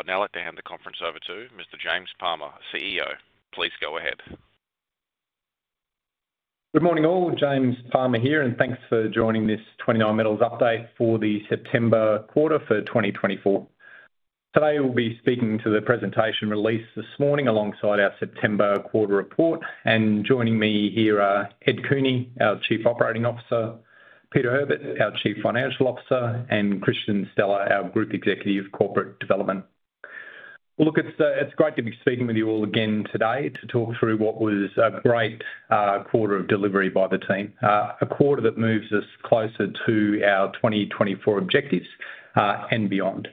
I'd now like to hand the conference over to Mr. James Palmer, CEO. Please go ahead. Good morning, all. James Palmer here, and thanks for joining this 29Metals update for the September quarter for 2024. Today, we'll be speaking to the presentation released this morning alongside our September quarter report, and joining me here are Ed Cooney, our Chief Operating Officer, Peter Herbert, our Chief Financial Officer, and Kristian Stella, our Group Executive Corporate Development. Well, look, it's great to be speaking with you all again today to talk through what was a great quarter of delivery by the team. A quarter that moves us closer to our 2024 objectives, and beyond.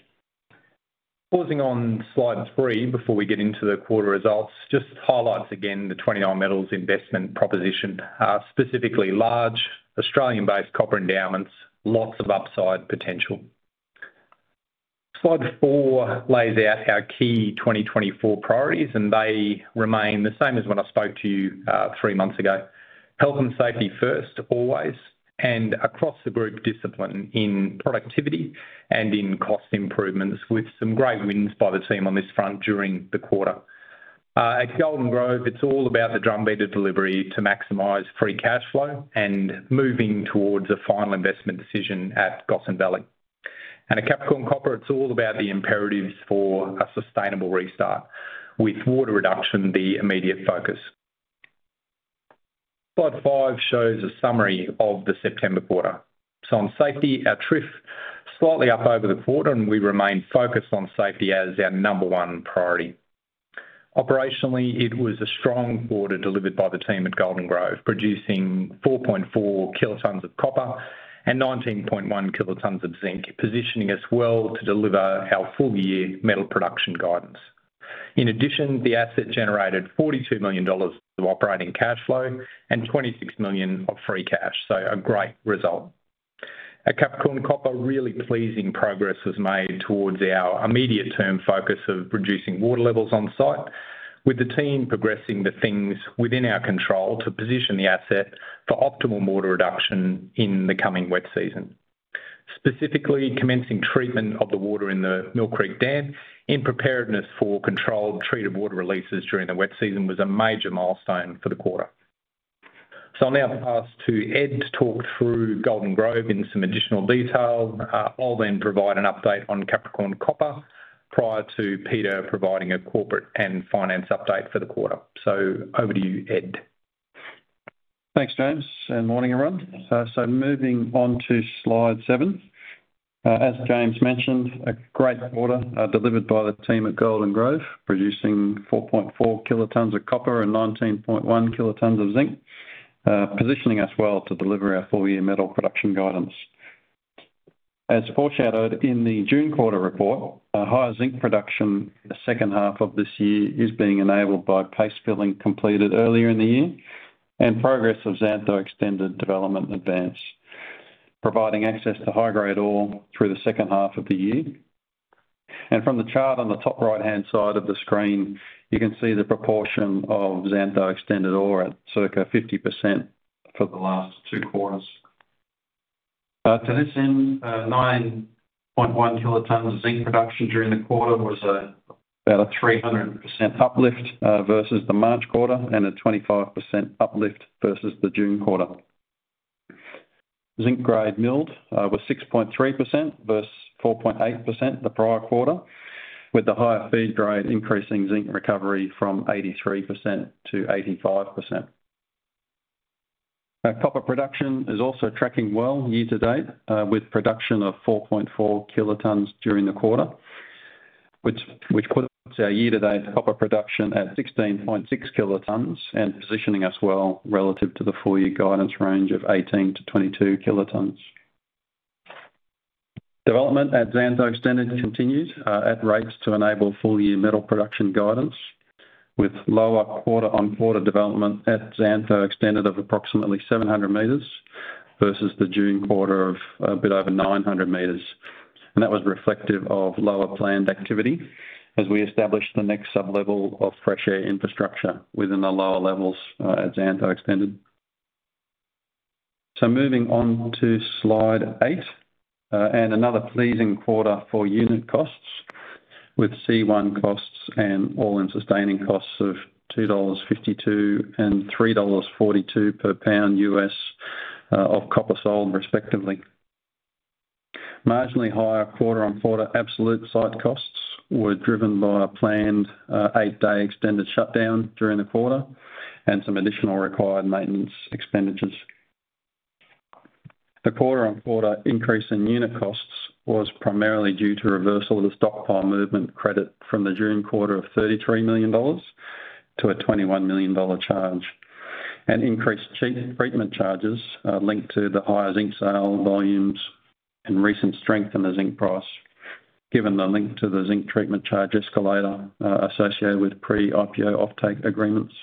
Pausing on slide 3, before we get into the quarter results, just highlights again, the 29Metals investment proposition, specifically large Australian-based copper endowments, lots of upside potential. Slide 4 lays out our key 2024 priorities, and they remain the same as when I spoke to you three months ago. Health and safety first, always, and across the group, discipline in productivity and in cost improvements, with some great wins by the team on this front during the quarter. At Golden Grove, it's all about the drumbeat delivery to maximize free cash flow and moving towards a final investment decision at Gossan Valley. And at Capricorn Copper, it's all about the imperatives for a sustainable restart, with water reduction, the immediate focus. Slide 5 shows a summary of the September quarter. So on safety, our TRIF slightly up over the quarter, and we remain focused on safety as our number one priority. Operationally, it was a strong quarter delivered by the team at Golden Grove, producing 4.4 kt of copper and 19.1 kt of zinc, positioning us well to deliver our full-year metal production guidance. In addition, the asset generated 42 million dollars of operating cash flow and 26 million of free cash. So a great result. At Capricorn Copper, really pleasing progress was made towards our immediate-term focus of reducing water levels on site, with the team progressing the things within our control to position the asset for optimal water reduction in the coming wet season. Specifically, commencing treatment of the water in the Mill Creek Dam in preparedness for controlled treated water releases during the wet season, was a major milestone for the quarter. So I'll now pass to Ed to talk through Golden Grove in some additional detail. I'll then provide an update on Capricorn Copper prior to Peter providing a corporate and finance update for the quarter. So over to you, Ed. Thanks, James, and morning, everyone. So moving on to slide 7. As James mentioned, a great quarter delivered by the team at Golden Grove, producing 4.4 kt of copper and 19.1 kt of zinc, positioning us well to deliver our full-year metal production guidance. As foreshadowed in the June quarter report, a higher zinc production in the second half of this year is being enabled by paste filling completed earlier in the year, and progress of Xantho Extended development advance, providing access to high-grade ore through the second half of the year, and from the chart on the top right-hand side of the screen, you can see the proportion of Xantho Extended ore at circa 50% for the last two quarters. To this end, 9.1 kt of zinc production during the quarter was about a 300% uplift versus the March quarter and a 25% uplift versus the June quarter. Zinc grade milled was 6.3% versus 4.8% the prior quarter, with the higher feed grade increasing zinc recovery from 83%-85%. Our copper production is also tracking well year to date, with production of 4.4 kt during the quarter, which puts our year-to-date copper production at 16.6 kt and positioning us well relative to the full-year guidance range of 18-22 kt. Development at Xantho Extended continues at rates to enable full-year metal production guidance, with lower quarter-on-quarter development at Xantho Extended of approximately 700 m versus the June quarter of a bit over 900 m. That was reflective of lower planned activity as we established the next sub-level of fresh air infrastructure within the lower levels at Xantho Extended. Moving on to slide 8, another pleasing quarter for unit costs with C1 costs and all-in sustaining costs of $2.52 and $3.42 per pound U.S. of copper sold, respectively. Marginally higher quarter-on-quarter absolute site costs were driven by a planned 8-day extended shutdown during the quarter and some additional required maintenance expenditures. The quarter-on-quarter increase in unit costs was primarily due to reversal of the stockpile movement credit from the June quarter of 33 million dollars to a 21 million dollar charge, and increased treatment charges linked to the higher zinc sale volumes and recent strength in the zinc price, given the link to the zinc treatment charge escalator associated with pre-IPO offtake agreements.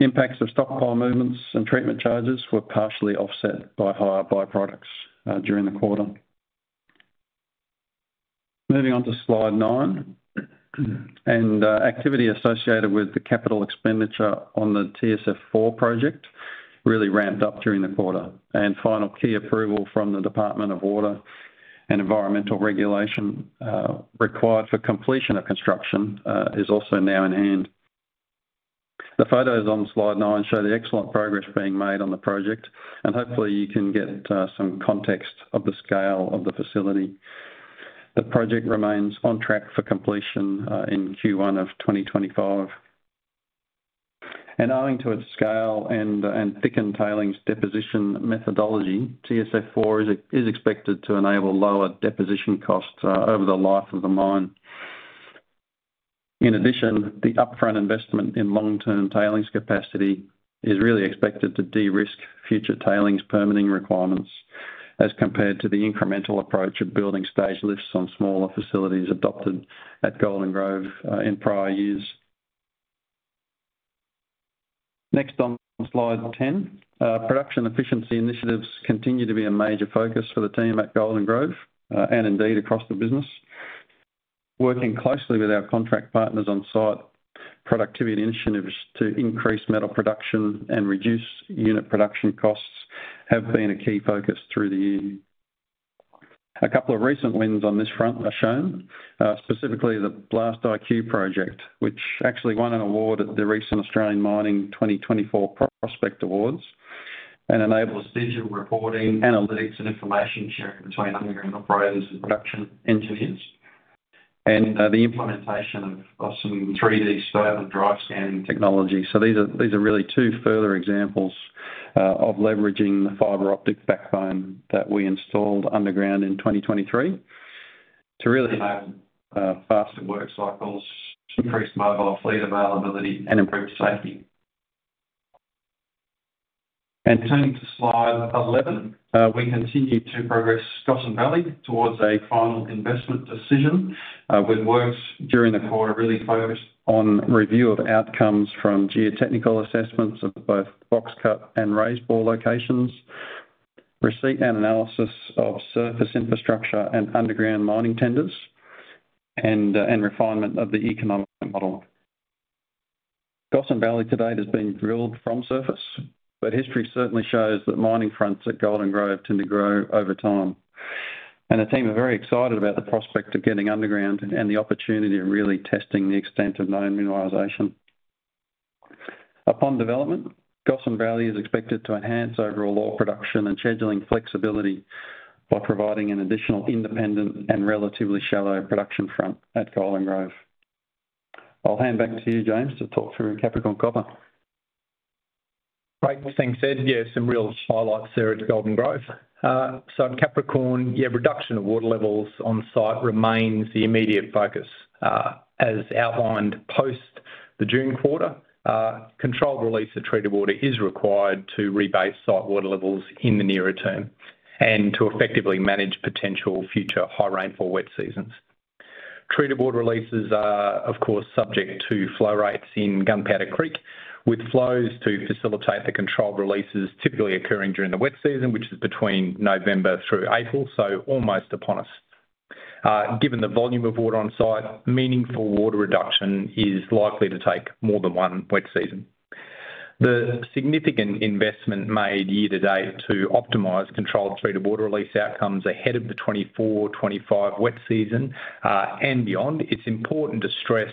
Impacts of stockpile movements and treatment charges were partially offset by higher byproducts during the quarter. Moving on to slide 9. And, activity associated with the capital expenditure on the TSF4 project really ramped up during the quarter, and final key approval from the Department of Water and Environmental Regulation required for completion of construction is also now in hand. The photos on slide 9 show the excellent progress being made on the project, and hopefully you can get some context of the scale of the facility. The project remains on track for completion in Q1 of twenty twenty-five, and owing to its scale and thickened tailings deposition methodology, TSF4 is expected to enable lower deposition costs over the life of the mine. In addition, the upfront investment in long-term tailings capacity is really expected to de-risk future tailings permitting requirements, as compared to the incremental approach of building stage lifts on smaller facilities adopted at Golden Grove in prior years. Next on slide 10. Production efficiency initiatives continue to be a major focus for the team at Golden Grove and indeed across the business. Working closely with our contract partners on site, productivity initiatives to increase metal production and reduce unit production costs have been a key focus through the year. A couple of recent wins on this front are shown, specifically the BlastIQ project, which actually won an award at the recent Australian Mining 2024 Prospect Awards and enables digital reporting, analytics, and information sharing between underground operators and production engineers, and the implementation of some 3D stope scanning technology. These are really two further examples of leveraging the fiber optic backbone that we installed underground in 2023 to really have faster work cycles, increased mobile fleet availability, and improved safety. Turning to slide 11. We continue to progress Gossan Valley towards a final investment decision, with works during the quarter really focused on review of outcomes from geotechnical assessments of both box cut and raise bore locations, receipt and analysis of surface infrastructure and underground mining tenders, and refinement of the economic model. Gossan Valley to date has been drilled from surface, but history certainly shows that mining fronts at Golden Grove tend to grow over time. The team are very excited about the prospect of getting underground and the opportunity of really testing the extent of known mineralization. Upon development, Gossan Valley is expected to enhance overall ore production and scheduling flexibility by providing an additional independent and relatively shallow production front at Golden Grove. I'll hand back to you, James, to talk through Capricorn Copper. Great. Thanks, Ed. Yeah, some real highlights there at Golden Grove, so at Capricorn, yeah, reduction of water levels on-site remains the immediate focus. As outlined, post the June quarter, controlled release of treated water is required to rebase site water levels in the nearer term, and to effectively manage potential future high rainfall wet seasons. Treated water releases are, of course, subject to flow rates in Gunpowder Creek, with flows to facilitate the controlled releases typically occurring during the wet season, which is between November through April, so almost upon us. Given the volume of water on-site, meaningful water reduction is likely to take more than one wet season. The significant investment made year to date to optimize controlled treated water release outcomes ahead of the 2024-2025 wet season, and beyond. It's important to stress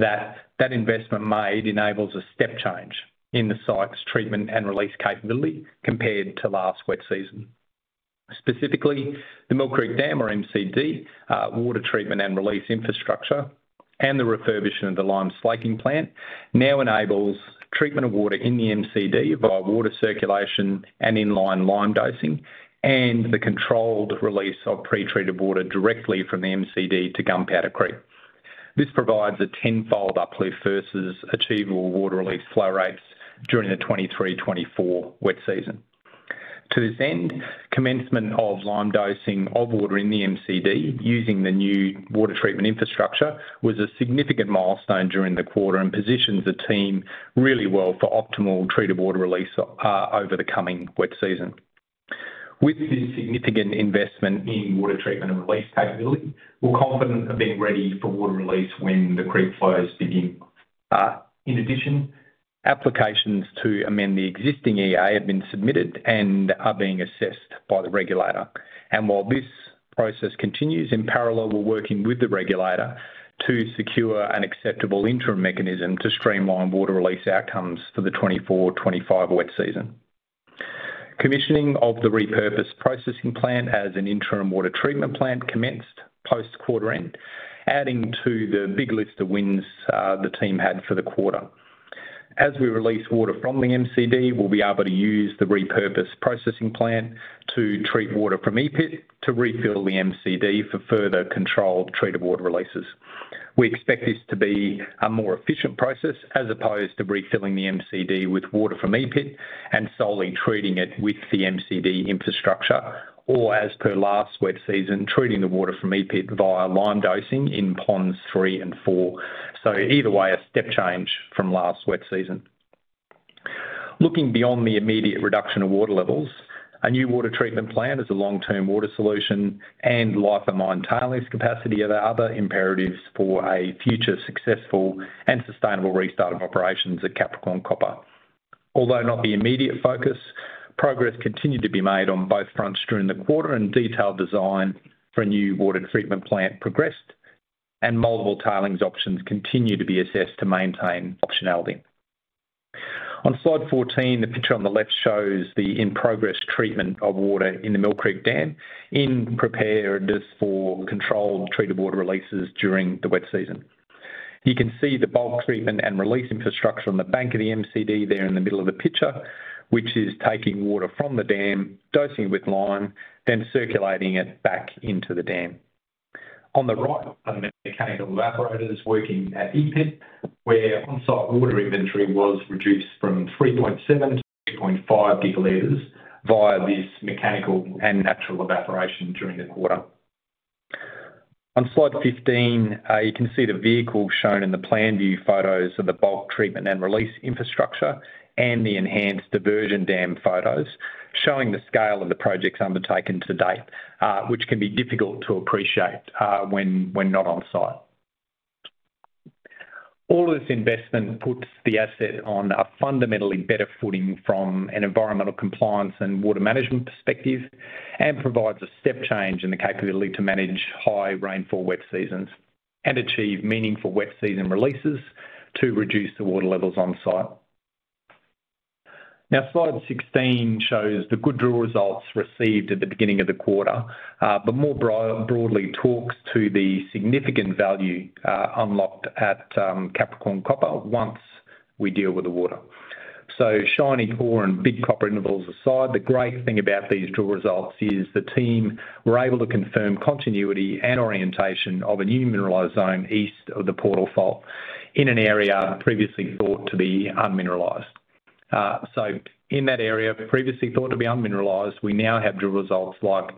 that that investment made enables a step change in the site's treatment and release capability compared to last wet season. Specifically, the Mill Creek Dam, or MCD, water treatment and release infrastructure, and the refurbishment of the lime slaking plant, now enables treatment of water in the MCD via water circulation and in-line lime dosing, and the controlled release of pre-treated water directly from the MCD to Gunpowder Creek. This provides a tenfold uplift versus achievable water release flow rates during the 2023-2024 wet season. To this end, commencement of lime dosing of water in the MCD using the new water treatment infrastructure was a significant milestone during the quarter, and positions the team really well for optimal treated water release over the coming wet season. With this significant investment in water treatment and release capability, we're confident of being ready for water release when the creek flows begin. In addition, applications to amend the existing EA have been submitted and are being assessed by the regulator. And while this process continues, in parallel, we're working with the regulator to secure an acceptable interim mechanism to streamline water release outcomes for the twenty-four, twenty-five wet season. Commissioning of the repurposed processing plant as an interim water treatment plant commenced post-quarter end, adding to the big list of wins the team had for the quarter. As we release water from the MCD, we'll be able to use the repurposed processing plant to treat water from E-Pit, to refill the MCD for further controlled treated water releases. We expect this to be a more efficient process, as opposed to refilling the MCD with water from E-Pit and solely treating it with the MCD infrastructure, or as per last wet season, treating the water from E-Pit via lime dosing in ponds three and four. So either way, a step change from last wet season. Looking beyond the immediate reduction of water levels, a new water treatment plant is a long-term water solution, and life of mine tailings capacity are the other imperatives for a future successful and sustainable restart of operations at Capricorn Copper. Although not the immediate focus, progress continued to be made on both fronts during the quarter, and detailed design for a new water treatment plant progressed, and multiple tailings options continue to be assessed to maintain optionality. On slide 14, the picture on the left shows the in-progress treatment of water in the Mill Creek Dam, in preparation for controlled treated water releases during the wet season. You can see the bulk treatment and release infrastructure on the bank of the MCD there in the middle of the picture, which is taking water from the dam, dosing it with lime, then circulating it back into the dam. On the right, mechanical evaporators working at E-Pit, where on-site water inventory was reduced from 3.7 to 0.5 GL via this mechanical and natural evaporation during the quarter. On slide 15, you can see the vehicle shown in the plan view photos of the bulk treatment and release infrastructure, and the enhanced diversion dam photos, showing the scale of the projects undertaken to date, which can be difficult to appreciate when not on-site. All of this investment puts the asset on a fundamentally better footing from an environmental compliance and water management perspective, and provides a step change in the capability to manage high rainfall wet seasons, and achieve meaningful wet season releases to reduce the water levels on-site. Now, slide 16 shows the good drill results received at the beginning of the quarter. But more broadly, talks to the significant value unlocked at Capricorn Copper once we deal with the water. So shiny ore and big copper intervals aside, the great thing about these drill results is the team were able to confirm continuity and orientation of a new mineralized zone east of the Portal Fault, in an area previously thought to be unmineralized, so in that area, previously thought to be unmineralized, we now have drill results like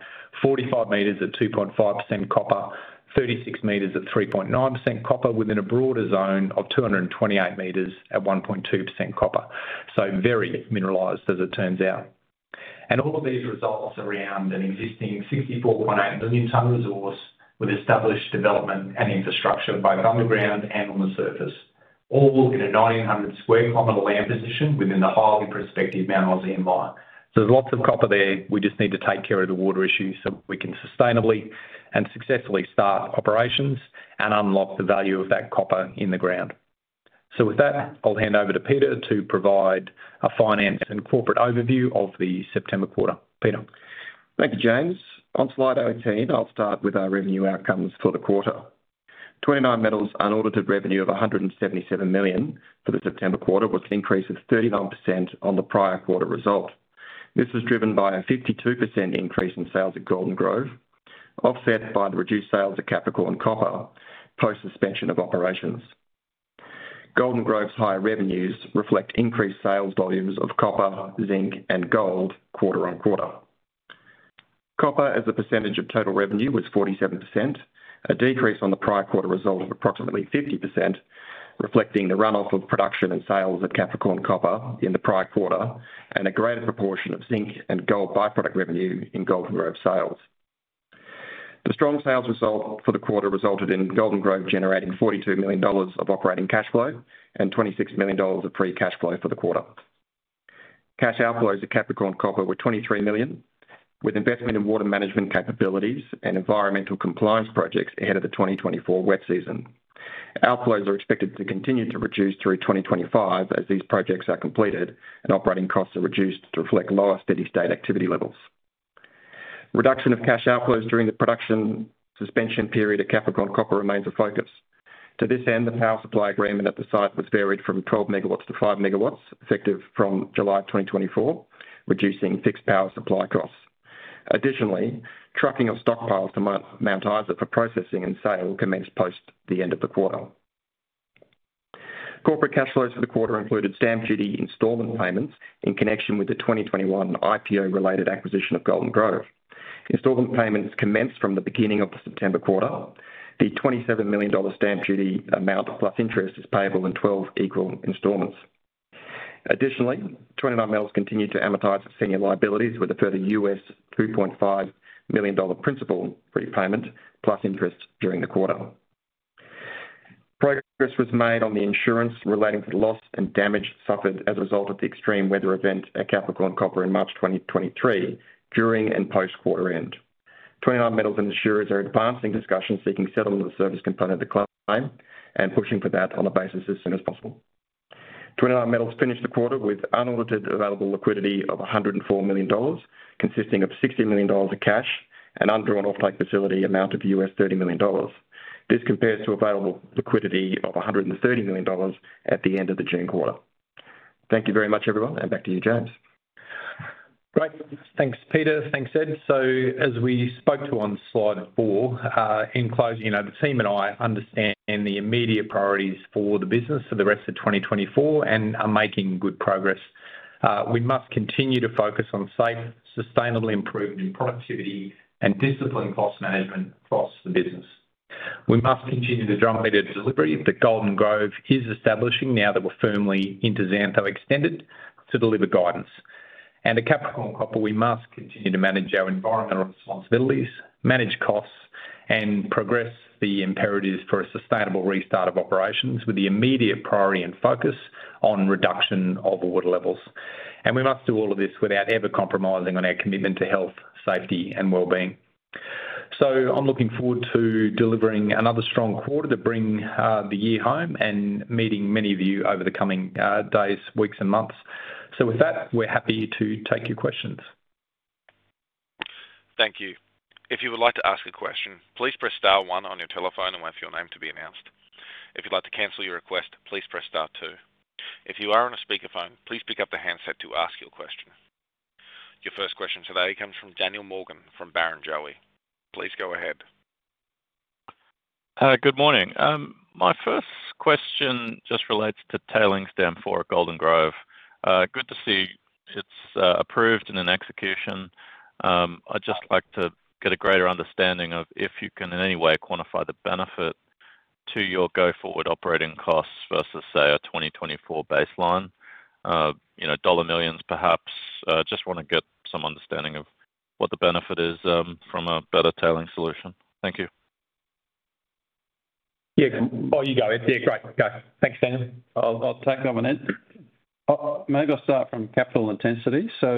45 m at 2.5% copper, 36 m at 3.9% copper, within a broader zone of 228 m at 1.2% copper, so very mineralized, as it turns out, and all of these results around an existing 64.8 million ton resource with established development and infrastructure, both on the ground and on the surface, all in a 1,900 sq km land position within the highly prospective Mount Isa Inlier, so there's lots of copper there. We just need to take care of the water issue, so we can sustainably and successfully start operations and unlock the value of that copper in the ground. So with that, I'll hand over to Peter to provide a finance and corporate overview of the September quarter. Peter? Thank you, James. On slide 18, I'll start with our revenue outcomes for the quarter. 29Metals unaudited revenue of 177 million for the September quarter was an increase of 39% on the prior quarter result. This was driven by a 52% increase in sales at Golden Grove, offset by the reduced sales at Capricorn Copper, post-suspension of operations. Golden Grove's higher revenues reflect increased sales volumes of copper, zinc, and gold, quarter on quarter. Copper, as a percentage of total revenue, was 47%, a decrease on the prior quarter result of approximately 50%, reflecting the run-off of production and sales at Capricorn Copper in the prior quarter, and a greater proportion of zinc and gold byproduct revenue in Golden Grove sales. The strong sales result for the quarter resulted in Golden Grove generating 42 million dollars of operating cash flow and 26 million dollars of free cash flow for the quarter. Cash outflows at Capricorn Copper were 23 million, with investment in water management capabilities and environmental compliance projects ahead of the 2024 wet season. Outflows are expected to continue to reduce through 2025 as these projects are completed and operating costs are reduced to reflect lower steady-state activity levels. Reduction of cash outflows during the production suspension period at Capricorn Copper remains a focus. To this end, the power supply agreement at the site was varied from 12 MW to 5 MW, effective from July of 2024, reducing fixed power supply costs. Additionally, trucking of stockpiles to Mount Isa for processing and sale commenced post the end of the quarter. Corporate cash flows for the quarter included stamp duty installment payments in connection with the 2021 IPO-related acquisition of Golden Grove. Installment payments commenced from the beginning of the September quarter. The 27 million dollar stamp duty amount, plus interest, is payable in 12 equal installments. Additionally, 29Metals continued to amortize its senior liabilities with a further $2.5 million principal repayment, plus interest during the quarter. Progress was made on the insurance relating to the loss and damage suffered as a result of the extreme weather event at Capricorn Copper in March 2023, during and post-quarter end. 29Metals and insurers are advancing discussions seeking settlement of the service component of the claim and pushing for that on the basis as soon as possible. 29Metals finished the quarter with unaudited available liquidity of 104 million dollars, consisting of 60 million dollars of cash and undrawn off-take facility amount of $30 million. This compares to available liquidity of 130 million dollars at the end of the June quarter. Thank you very much, everyone, and back to you, James. Great. Thanks, Peter. Thanks, Ed. So as we spoke to on slide 4, in closing, you know, the team and I understand the immediate priorities for the business for the rest of 2024 and are making good progress. We must continue to focus on safe, sustainably improvement in productivity and discipline cost management across the business. We must continue the drumbeat of delivery that Golden Grove is establishing now that we're firmly into Xantho Extended to deliver guidance. And at Capricorn Copper, we must continue to manage our environmental responsibilities, manage costs, and progress the imperatives for a sustainable restart of operations, with the immediate priority and focus on reduction of the water levels. And we must do all of this without ever compromising on our commitment to health, safety, and well-being. So I'm looking forward to delivering another strong quarter to bring the year home and meeting many of you over the coming days, weeks, and months. So with that, we're happy to take your questions. Thank you. If you would like to ask a question, please press star one on your telephone and wait for your name to be announced. If you'd like to cancel your request, please press star two. If you are on a speakerphone, please pick up the handset to ask your question. Your first question today comes from Daniel Morgan, from Barrenjoey. Please go ahead. Good morning. My first question just relates to tailings dam for Golden Grove. Good to see it's approved and in execution. I'd just like to get a greater understanding of if you can, in any way, quantify the benefit to your go-forward operating costs versus, say, a 2024 baseline. You know, dollar millions perhaps. Just wanna get some understanding of what the benefit is from a better tailings solution. Thank you. Yeah. Oh, you go. Yeah, great, go. Thanks, Dan. I'll take over then. Maybe I'll start from capital intensity. So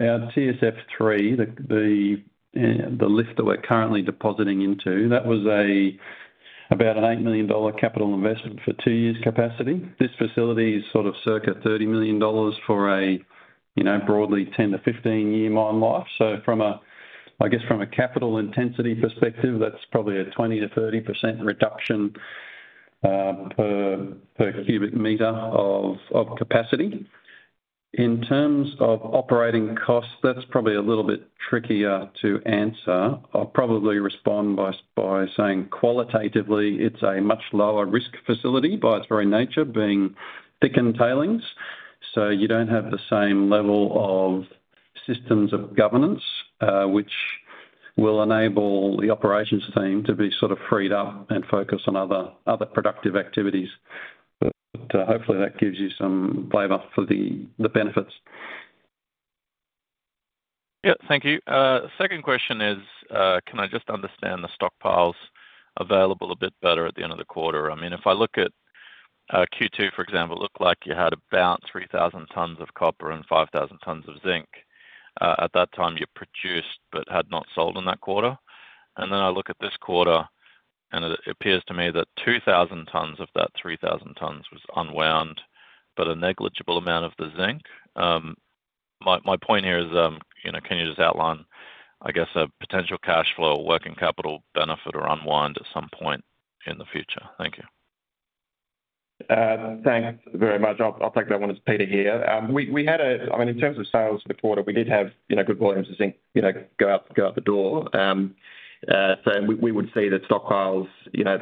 our TSF3, the lift that we're currently depositing into, that was about an 8 million dollar capital investment for two years capacity. This facility is sort of circa 30 million dollars for, you know, broadly 10-15-year mine life. So, I guess, from a capital intensity perspective, that's probably a 20%-30% reduction per cubic meter of capacity. In terms of operating costs, that's probably a little bit trickier to answer. I'll probably respond by saying qualitatively, it's a much lower risk facility by its very nature, being thickened tailings. So you don't have the same level of systems of governance, which will enable the operations team to be sort of freed up and focus on other productive activities. Hopefully, that gives you some flavor for the benefits. Yeah. Thank you. Second question is, can I just understand the stockpiles available a bit better at the end of the quarter? I mean, if I look at Q2, for example, it looked like you had about three thousand tons of copper and five thousand tons of zinc. At that time, you produced but had not sold in that quarter. And then I look at this quarter, and it appears to me that two thousand tons of that three thousand tons was unwound, but a negligible amount of the zinc. My point here is, you know, can you just outline, I guess, a potential cash flow or working capital benefit or unwind at some point in the future? Thank you. Thanks very much. I'll take that one. It's Peter here. I mean, in terms of sales for the quarter, we did have good volumes of zinc go out the door. So we would see the stockpiles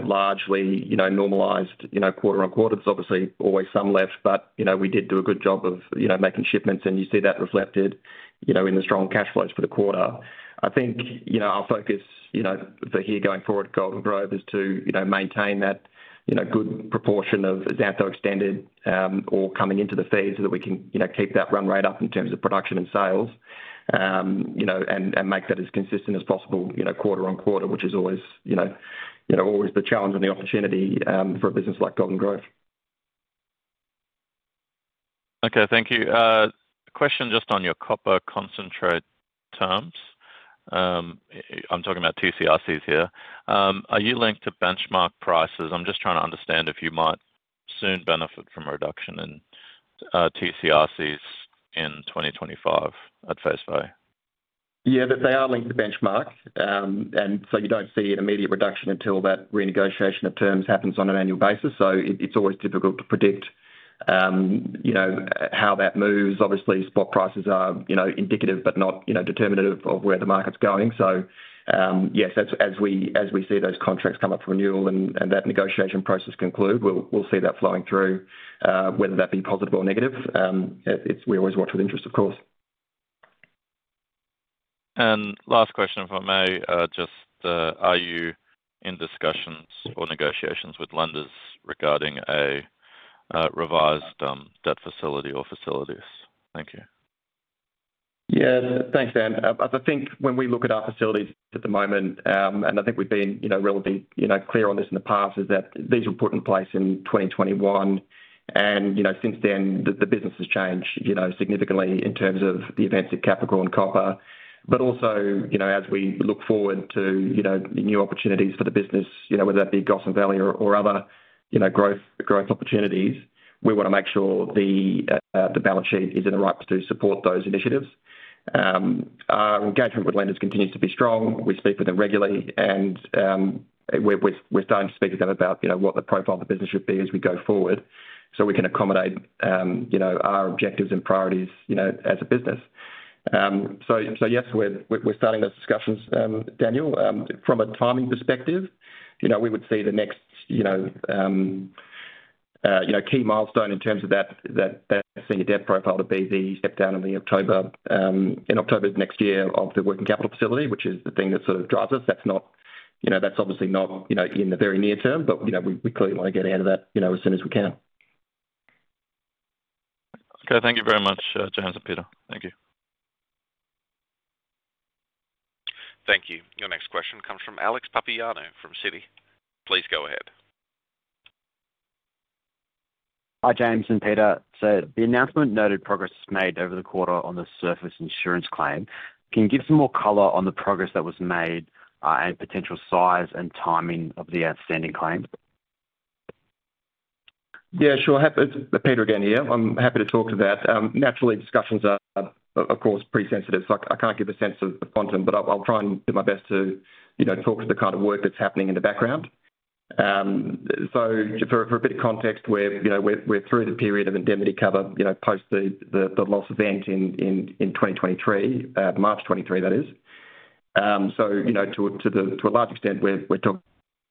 largely normalized quarter on quarter. There's obviously always some left, but we did do a good job of making shipments, and you see that reflected in the strong cash flows for the quarter. I think our focus for here going forward, Golden Grove, is to maintain that good proportion of Xantho Extended coming into the feed so that we can keep that run rate up in terms of production and sales. You know, and make that as consistent as possible, you know, quarter on quarter, which is always, you know, always the challenge and the opportunity for a business like Golden Grove. Okay. Thank you. A question just on your copper concentrate terms. I'm talking about TCRCs here. Are you linked to benchmark prices? I'm just trying to understand if you might soon benefit from a reduction in TCRCs in 2025 at face value. Yeah, but they are linked to benchmark, and so you don't see an immediate reduction until that renegotiation of terms happens on an annual basis, so it's always difficult to predict, you know, how that moves. Obviously, spot prices are, you know, indicative, but not, you know, determinative of where the market's going, so yes, as we see those contracts come up for renewal and that negotiation process conclude, we'll see that flowing through, whether that be positive or negative, we always watch with interest, of course. Last question, if I may, just, are you in discussions or negotiations with lenders regarding a revised debt facility or facilities? Thank you. Yeah. Thanks, Dan. I think when we look at our facilities at the moment, and I think we've been, you know, relatively, you know, clear on this in the past, is that these were put in place in twenty twenty-one, and, you know, since then, the business has changed, you know, significantly in terms of the events at Capricorn Copper, but also, you know, as we look forward to, you know, new opportunities for the business, you know, whether that be Gossan Valley or other, you know, growth opportunities, we wanna make sure the balance sheet is in the right to support those initiatives. Our engagement with lenders continues to be strong. We speak with them regularly, and we're starting to speak to them about, you know, what the profile of the business should be as we go forward, so we can accommodate, you know, our objectives and priorities, you know, as a business. So yes, we're starting those discussions, Daniel. From a timing perspective, you know, we would see the next, you know, key milestone in terms of that senior debt profile, the BV step down in the October, in October of next year of the working capital facility, which is the thing that sort of drives us. That's not, you know, that's obviously not, you know, in the very near term, but, you know, we clearly want to get out of that, you know, as soon as we can. Okay. Thank you very much, James and Peter. Thank you. Thank you. Your next question comes from Alex Papaioanou, from Citi. Please go ahead. Hi, James and Peter. So the announcement noted progress made over the quarter on the surface insurance claim. Can you give some more color on the progress that was made, and potential size and timing of the outstanding claims? Yeah, sure. It's Peter again here. I'm happy to talk to that. Naturally, discussions are, of course, pretty sensitive, so I can't give a sense of the quantum, but I'll try and do my best to, you know, talk to the kind of work that's happening in the background. So just for a bit of context, we're, you know, we're through the period of indemnity cover, you know, post the loss event in 2023, March 2023, that is. So, you know, to a large extent, we're talking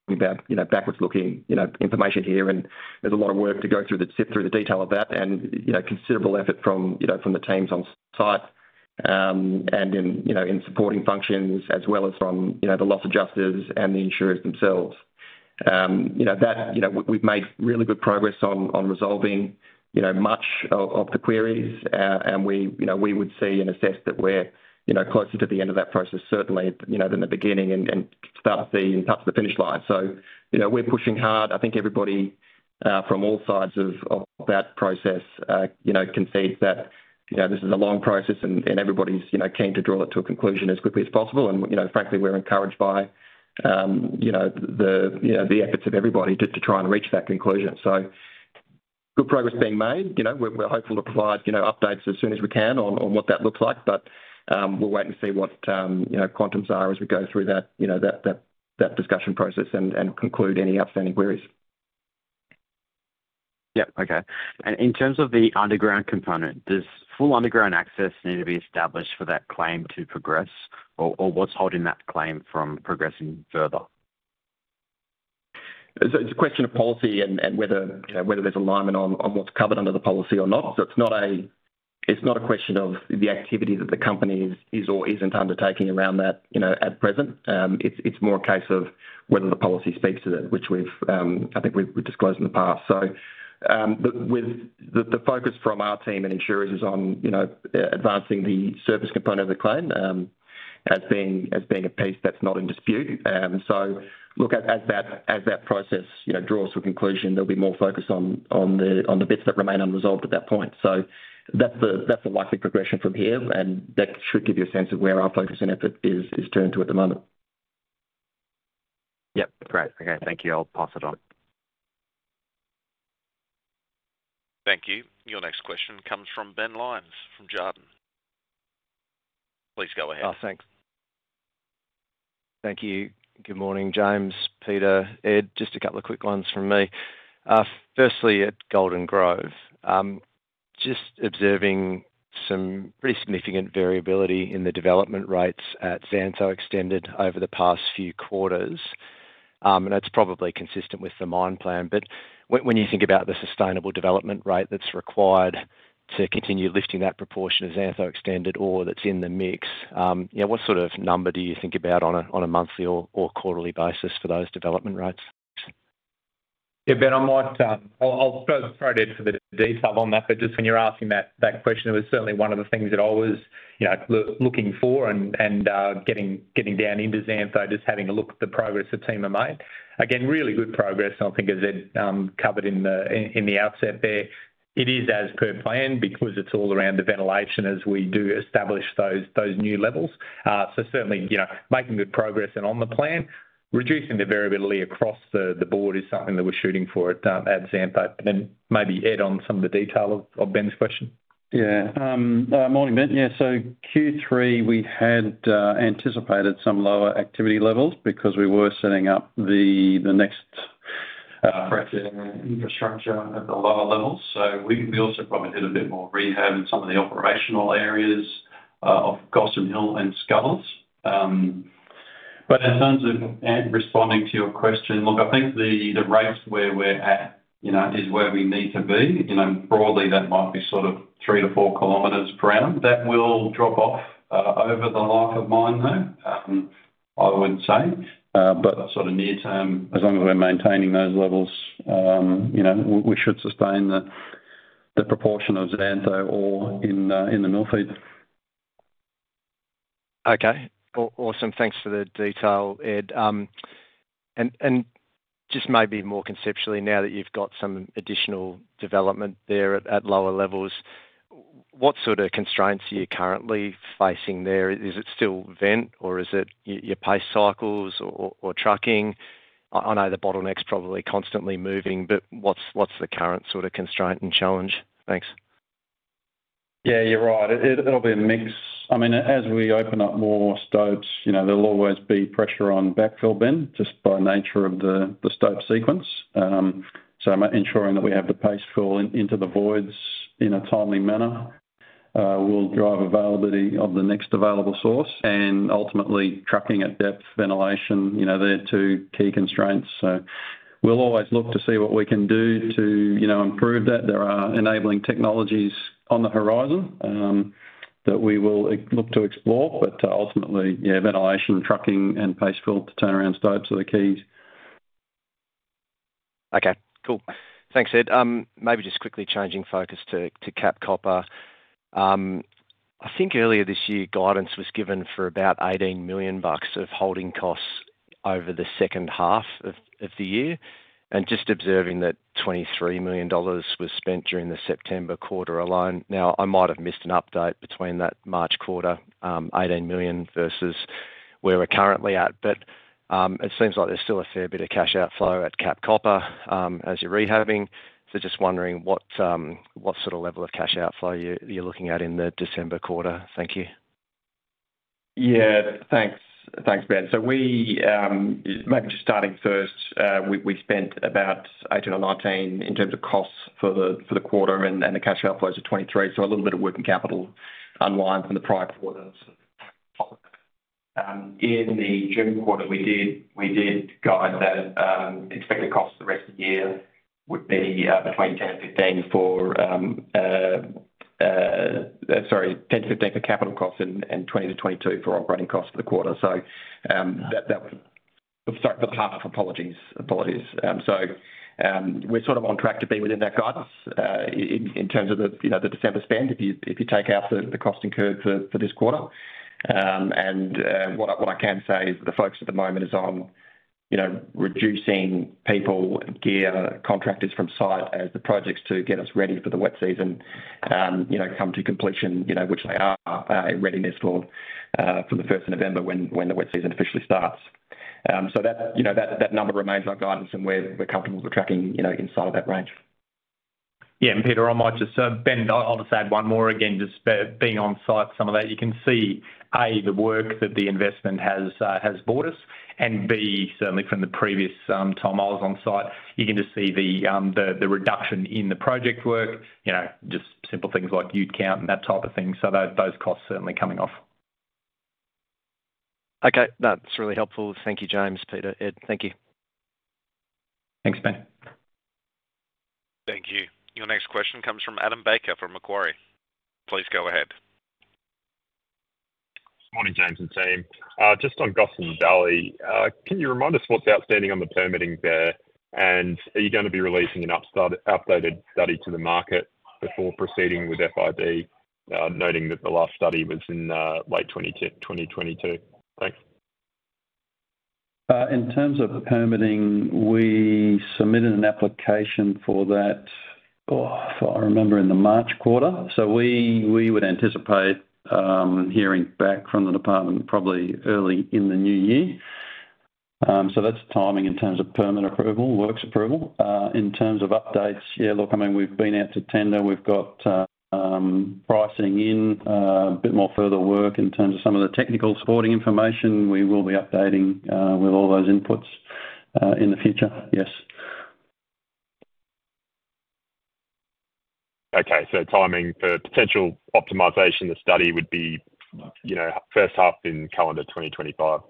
about, you know, backwards-looking, you know, information here, and there's a lot of work to go through to sift through the detail of that and, you know, considerable effort from, you know, from the teams on site, and in, you know, in supporting functions, as well as from, you know, the loss adjusters and the insurers themselves. You know, that, you know, we've made really good progress on resolving, you know, much of the queries. And we, you know, we would see and assess that we're, you know, closer to the end of that process, certainly, you know, than the beginning and start seeing touch the finish line. So, you know, we're pushing hard. I think everybody from all sides of that process you know can see that you know this is a long process and everybody's you know keen to draw it to a conclusion as quickly as possible. And you know frankly we're encouraged by you know the efforts of everybody just to try and reach that conclusion. So good progress being made. You know we're hopeful to provide you know updates as soon as we can on what that looks like. But we'll wait and see what you know quantums are as we go through that discussion process and conclude any outstanding queries. Yeah. Okay. And in terms of the underground component, does full underground access need to be established for that claim to progress? Or, or what's holding that claim from progressing further? It's a question of policy and whether, you know, whether there's alignment on what's covered under the policy or not. So it's not a... It's not a question of the activity that the company is or isn't undertaking around that, you know, at present. It's more a case of whether the policy speaks to that, which we've, I think we've disclosed in the past. So, but with the focus from our team and insurers is on, you know, advancing the service component of the claim, as being a piece that's not in dispute. So look, as that process, you know, draws to a conclusion, there'll be more focus on the bits that remain unresolved at that point. That's the likely progression from here, and that should give you a sense of where our focus and effort is turned to at the moment. Yep. Great. Okay, thank you. I'll pass it on. Thank you. Your next question comes from Ben Lyons from Jarden. Please go ahead. Oh, thanks. Thank you. Good morning, James, Peter, Ed, just a couple of quick ones from me. Firstly, at Golden Grove, just observing some pretty significant variability in the development rates at Xantho Extended over the past few quarters. And that's probably consistent with the mine plan, but when you think about the sustainable development rate that's required to continue lifting that proportion of Xantho Extended, or that's in the mix, you know, what sort of number do you think about on a monthly or quarterly basis for those development rates? Yeah, Ben, I might, I'll throw to Ed for the detail on that, but just when you're asking that question, it was certainly one of the things that I was, you know, looking for and getting down into Xantho, just having a look at the progress the team have made. Again, really good progress, and I think as Ed covered in the outset there. It is as per plan, because it's all around the ventilation as we do establish those new levels. So certainly, you know, making good progress and on the plan, reducing the variability across the board is something that we're shooting for at Xantho. But then maybe Ed, on some of the detail of Ben's question. Yeah. Morning, Ben. Yeah, so Q3, we had anticipated some lower activity levels because we were setting up the next infrastructure at the lower levels. So we also probably did a bit more rehab in some of the operational areas of Gossan Hill and Scuddles. But in terms of and responding to your question, look, I think the rates where we're at, you know, is where we need to be. You know, broadly, that might be sort of three to four kilometers per hour. That will drop off over the life of mine, though, I would say. But sort of near term, as long as we're maintaining those levels, you know, we should sustain the proportion of Xantho ore in the mill feed. Okay. Awesome. Thanks for the detail, Ed. And just maybe more conceptually, now that you've got some additional development there at lower levels, what sort of constraints are you currently facing there? Is it still vent, or is it your pace cycles or trucking? I know the bottleneck's probably constantly moving, but what's the current sort of constraint and challenge? Thanks. Yeah, you're right. It, it'll be a mix. I mean, as we open up more stopes, you know, there'll always be pressure on backfill, Ben, just by nature of the stope sequence. So ensuring that we have the paste fill in, into the voids in a timely manner. We'll drive availability of the next available source, and ultimately, trucking at depth, ventilation, you know, they're two key constraints. So we'll always look to see what we can do to, you know, improve that. There are enabling technologies on the horizon, that we will look to explore. But, ultimately, yeah, ventilation, trucking, and paste fill to turnaround stope are the keys. Okay, cool. Thanks, Ed. Maybe just quickly changing focus to Cap Copper. I think earlier this year, guidance was given for about 18 million bucks of holding costs over the second half of the year, and just observing that 23 million dollars was spent during the September quarter alone. Now, I might have missed an update between that March quarter, 18 million versus where we're currently at, but it seems like there's still a fair bit of cash outflow at Cap Copper, as you're rehabbing. So just wondering what sort of level of cash outflow you're looking at in the December quarter. Thank you. Yeah, thanks. Thanks, Ben. So, maybe just starting first, we spent about 18 or 19 in terms of costs for the quarter, and the cash outflows are 23, so a little bit of working capital unwind from the prior quarters. In the June quarter, we did guide that expected costs for the rest of the year would be between 10-15 for capital costs and 20-22 for operating costs for the quarter. So, that would—Sorry, for the half. Apologies. Apologies. So, we're sort of on track to be within that guidance, in terms of the, you know, the December spend, if you take out the cost incurred for this quarter. And what I can say is the focus at the moment is on, you know, reducing people, gear, contractors from site as the projects to get us ready for the wet season, you know, come to completion, you know, which they are, readiness for, for the first of November when the wet season officially starts. So that, you know, that number remains our guidance, and we're comfortable with tracking, you know, inside of that range. Yeah, and Peter, I might just, Ben, I'll just add one more again, just being on site, some of that, you can see, A, the work that the investment has bought us, and B, certainly from the previous time I was on site, you can just see the reduction in the project work, you know, just simple things like ute count and that type of thing. So those costs certainly coming off. Okay, that's really helpful. Thank you, James, Peter, Ed, thank you. Thanks, Ben. Thank you. Your next question comes from Adam Baker, from Macquarie. Please go ahead. Morning, James and team. Just on Gossan Valley, can you remind us what's outstanding on the permitting there? And are you going to be releasing an updated study to the market before proceeding with FID, noting that the last study was in late twenty twenty-two? Thanks. In terms of the permitting, we submitted an application for that, oh, if I remember, in the March quarter. So we would anticipate hearing back from the department probably early in the new year. So that's the timing in terms of permit approval, works approval. In terms of updates, yeah, look, I mean, we've been out to tender. We've got pricing in, a bit more further work in terms of some of the technical supporting information. We will be updating with all those inputs in the future. Yes. Okay, so timing for potential optimization, the study would be, you know, first half in calendar 2025. Is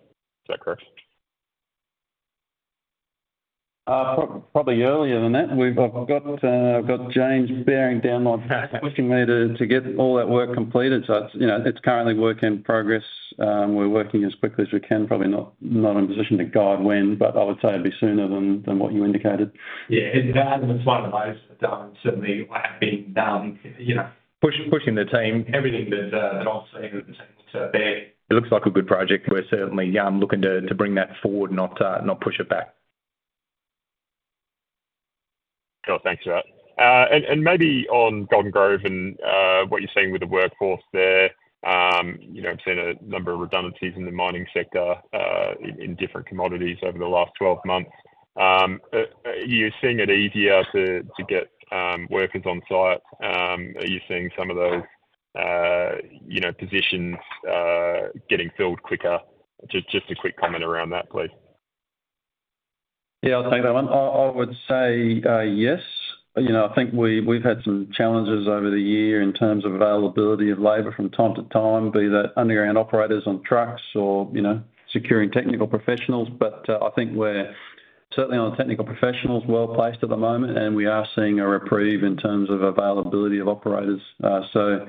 that correct? Probably earlier than that. I've got James bearing down on my back, pushing me to get all that work completed. So it's, you know, it's currently work in progress. We're working as quickly as we can, probably not in a position to guide when, but I would say it'd be sooner than what you indicated. Yeah, and Adam, it's one of those, certainly I have been, you know, pushing the team, everything that I've seen seems to be... It looks like a good project. We're certainly looking to bring that forward, not push it back. Cool. Thanks for that, and maybe on Golden Grove and what you're seeing with the workforce there, you know, I've seen a number of redundancies in the mining sector, in different commodities over the last twelve months. Are you seeing it easier to get workers on site? Are you seeing some of those, you know, positions getting filled quicker? Just a quick comment around that, please. Yeah, thanks, Adam. I would say yes. You know, I think we've had some challenges over the year in terms of availability of labor from time to time, be that underground operators on trucks or, you know, securing technical professionals. But I think we're certainly on the technical professionals, well-placed at the moment, and we are seeing a reprieve in terms of availability of operators. So,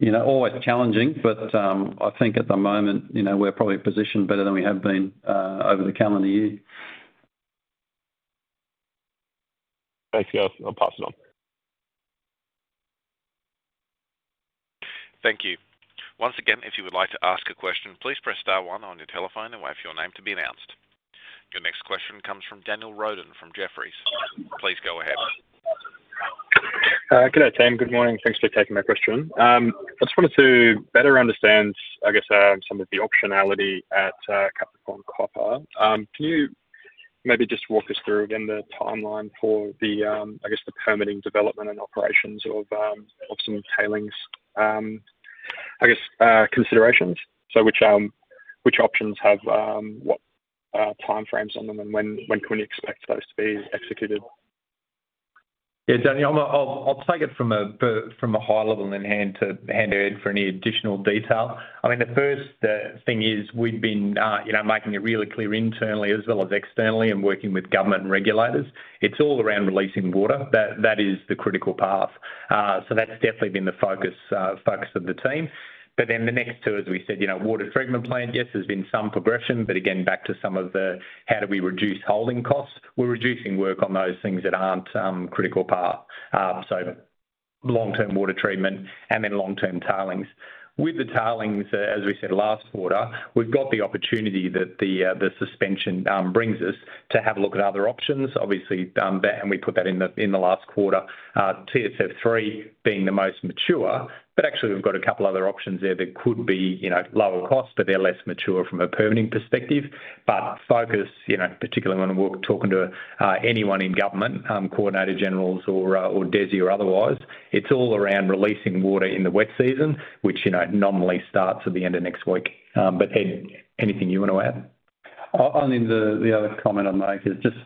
you know, always challenging, but I think at the moment, you know, we're probably positioned better than we have been over the calendar year. Thanks, guys. I'll pass it on. Thank you. Once again, if you would like to ask a question, please press star one on your telephone and wait for your name to be announced. Your next question comes from Daniel Roden, from Jefferies. Please go ahead. Good day, team. Good morning. Thanks for taking my question. I just wanted to better understand, I guess, some of the optionality at Capricorn Copper. Can you maybe just walk us through, again, the timeline for the, I guess, the permitting, development, and operations of some tailings considerations. So which, which options have what time frames on them, and when, when can we expect those to be executed? Yeah, Daniel, I'll take it from a high level and then hand to Ed for any additional detail. I mean, the first thing is, we've been, you know, making it really clear internally as well as externally and working with government and regulators, it's all around releasing water. That is the critical path. So that's definitely been the focus of the team. But then the next two, as we said, you know, water treatment plant, yes, there's been some progression, but again, back to some of the how do we reduce holding costs? We're reducing work on those things that aren't critical path. So long-term water treatment and then long-term tailings. With the tailings, as we said last quarter, we've got the opportunity that the suspension brings us to have a look at other options. Obviously, and we put that in the last quarter, TSF three being the most mature, but actually, we've got a couple other options there that could be, you know, lower cost, but they're less mature from a permitting perspective. But focus, you know, particularly when we're talking to anyone in government, Coordinator-Generals or DESI or otherwise, it's all around releasing water in the wet season, which, you know, normally starts at the end of next week. But, Ed, anything you want to add? Only the other comment I'd make is just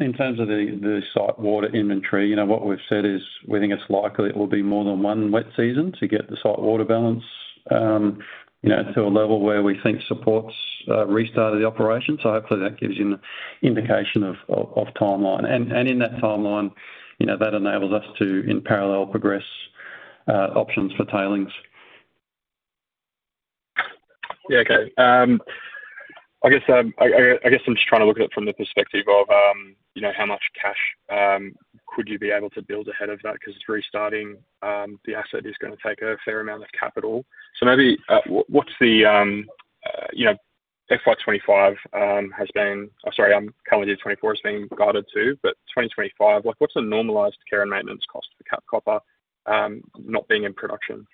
in terms of the site water inventory, you know, what we've said is, we think it's likely it will be more than one wet season to get the site water balance, you know, to a level where we think supports restart of the operation. So hopefully, that gives you an indication of timeline. And in that timeline, you know, that enables us to, in parallel, progress options for tailings. Yeah, okay. I guess I'm just trying to look at it from the perspective of, you know, how much cash could you be able to build ahead of that? 'Cause restarting the asset is gonna take a fair amount of capital. So maybe, what's the, you know, FY 2025 has been... I'm sorry, calendar 2024 has been guided, too, but 2025, like, what's the normalized care and maintenance cost for Cap Copper not being in production?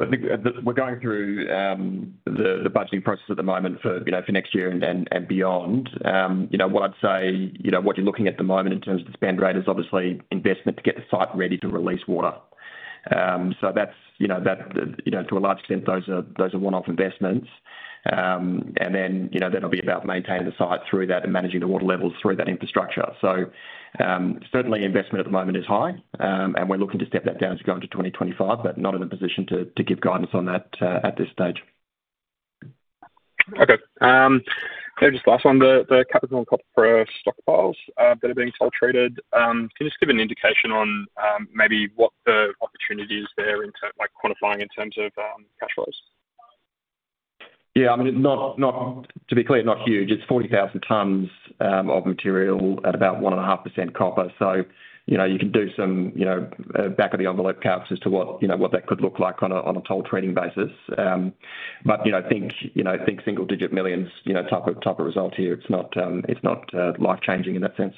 I think we're going through the budgeting process at the moment for, you know, for next year and, and, and beyond. You know, what I'd say, you know, what you're looking at the moment in terms of the spend rate is obviously investment to get the site ready to release water. So that's, you know, that, you know, to a large extent, those are one-off investments. And then, you know, that'll be about maintaining the site through that and managing the water levels through that infrastructure. So, certainly investment at the moment is high, and we're looking to step that down as we go into twenty twenty-five, but not in a position to give guidance on that at this stage. Okay. So just last one. The Capricorn Copper stockpiles that are being sold, treated, can you just give an indication on, maybe what the opportunity is there in terms, like, quantifying in terms of, cash flows? Yeah, I mean, it's not, to be clear, not huge. It's 40,000 tons of material at about 1.5% copper. So, you know, you can do some, you know, back-of-the-envelope calcs as to what, you know, what that could look like on a toll treating basis. But, you know, think, you know, think single digit millions, you know, type of result here. It's not life-changing in that sense.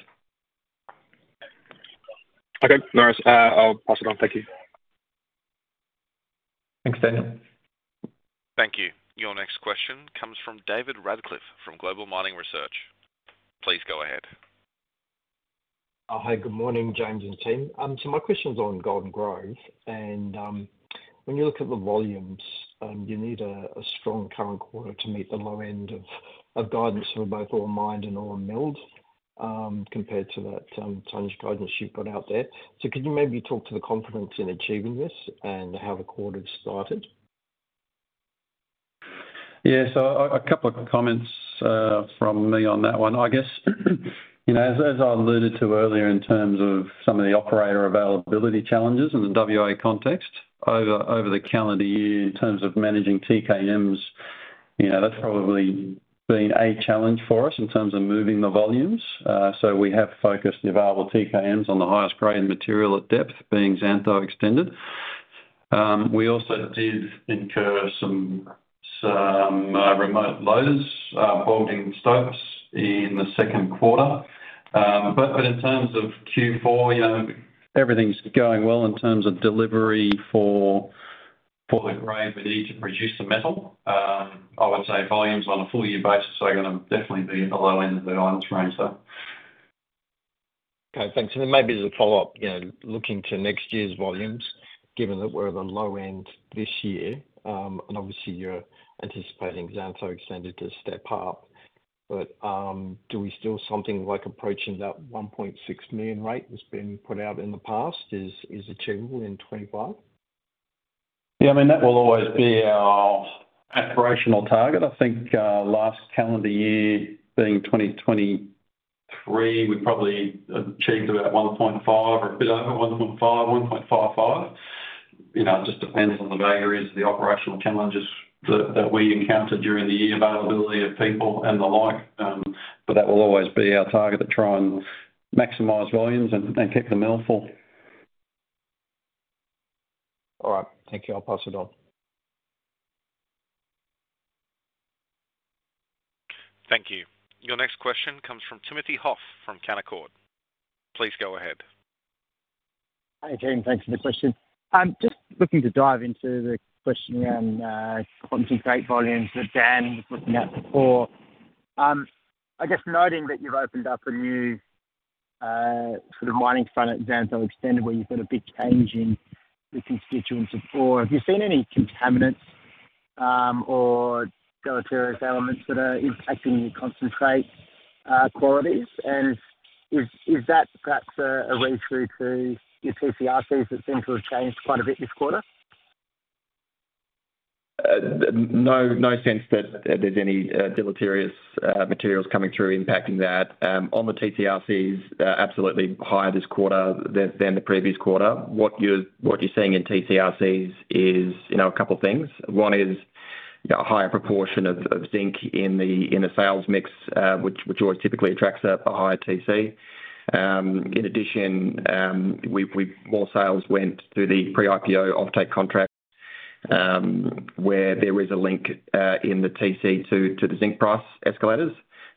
Okay, no worries. I'll pass it on. Thank you. Thanks, Daniel. Thank you. Your next question comes from David Radclyffe from Global Mining Research. Please go ahead. Hi, good morning, James and team. So my question's on Golden Grove, and when you look at the volumes, you need a strong current quarter to meet the low end of guidance for both ore mined and ore milled, compared to that guidance you've got out there. So could you maybe talk to the confidence in achieving this and how the quarter started? Yeah, so a couple of comments from me on that one. I guess, you know, as I alluded to earlier, in terms of some of the operator availability challenges in the WA context, over the calendar year, in terms of managing TKMs, you know, that's probably been a challenge for us in terms of moving the volumes. So we have focused the available TKMs on the highest grade material at depth, being Xantho Extended. We also did incur some remote loaders bogging stopes in the second quarter. But in terms of Q4, you know, everything's going well in terms of delivery for the grade we need to produce the metal. I would say volumes on a full year basis are gonna definitely be at the low end of the guidance range, so. Okay, thanks. Then maybe as a follow-up, you know, looking to next year's volumes, given that we're at the low end this year, and obviously you're anticipating Xantho Extended to step up, but do we still see something like approaching that 1.6 million rate that's been put out in the past is achievable in 2025? Yeah, I mean, that will always be our aspirational target. I think, last calendar year, being 2023, we probably achieved about one point five or a bit over one point five, one point five five. You know, it just depends on the variances, the operational challenges that we encounter during the year, availability of people and the like. But that will always be our target, to try and maximize volumes and keep the mill full. All right. Thank you. I'll pass it on. Thank you. Your next question comes from Timothy Hoff from Canaccord. Please go ahead. Hi, James, thanks for the question. I'm just looking to dive into the question around quantity, great volumes that Dan was looking at before. I guess noting that you've opened up a new sort of mining front at Xantho Extended, where you've got a big change in the constituents of ore. Have you seen any contaminants, or deleterious elements that are impacting your concentrate qualities? And is that perhaps a read-through to your TCRCs that seem to have changed quite a bit this quarter? No, no sense that there's any deleterious materials coming through impacting that. On the TC/RCs, absolutely higher this quarter than the previous quarter. What you're seeing in TC/RCs is, you know, a couple of things. One is, you know, a higher proportion of zinc in the sales mix, which always typically attracts a higher TC. In addition, more sales went through the pre-IPO offtake contract, where there is a link in the TC to the zinc price escalators.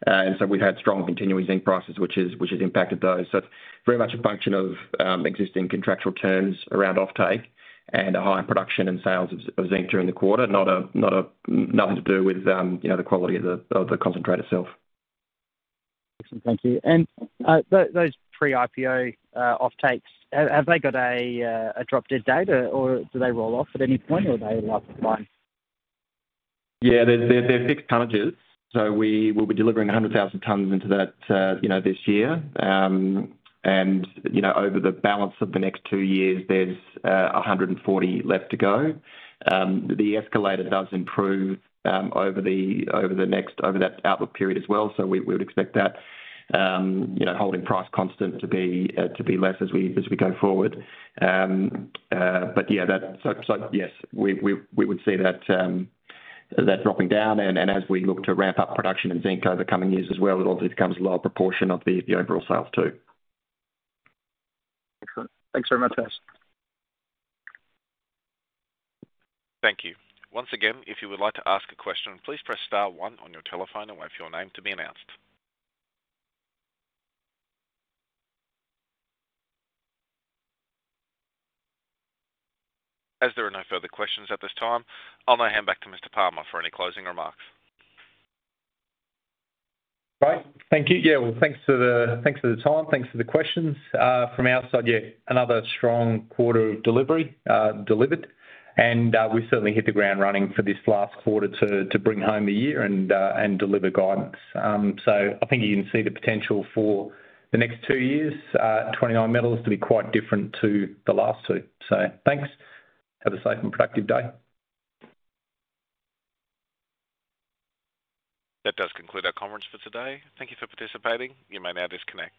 And so we've had strong continuing zinc prices, which has impacted those. So it's very much a function of existing contractual terms around offtake and a higher production and sales of zinc during the quarter, not nothing to do with, you know, the quality of the concentrate itself. Excellent. Thank you. And those pre-IPO offtakes, have they got a drop-dead date, or do they roll off at any point, or are they life of mine? Yeah, they're fixed tonnages, so we will be delivering 100,000 tons into that, you know, this year. And, you know, over the balance of the next two years, there's 140 left to go. The escalator does improve over that outlook period as well. So we would expect that, you know, holding price constant to be less as we go forward. But yeah, that. So yes, we would see that dropping down, and as we look to ramp up production in zinc over the coming years as well, it obviously becomes a lower proportion of the overall sales, too. Excellent. Thanks very much, guys. Thank you. Once again, if you would like to ask a question, please press star one on your telephone and wait for your name to be announced. As there are no further questions at this time, I'll now hand back to Mr. Palmer for any closing remarks. Great. Thank you. Yeah, well, thanks for the time. Thanks for the questions. From our side, yeah, another strong quarter of delivery, delivered, and we certainly hit the ground running for this last quarter to bring home the year and deliver guidance. So I think you can see the potential for the next two years, 29Metals to be quite different to the last two. So thanks. Have a safe and productive day. That does conclude our conference for today. Thank you for participating. You may now disconnect.